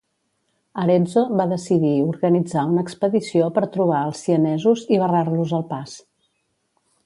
Arezzo va decidir organitzar una expedició per trobar els sienesos i barrar-los el pas.